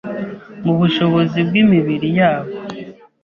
mu bushobozi bw’imibiri yabo.